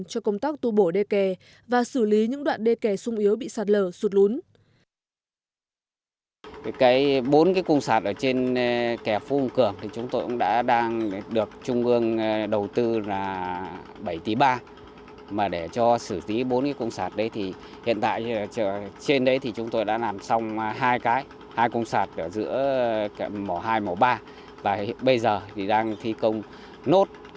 cho công tác tu bổ đê kè và xử lý những đoạn đê kè sung yếu bị sạt lở sụt lún